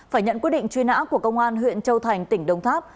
phải nhận quyết định truy nã của công an huyện châu thành tỉnh đồng tháp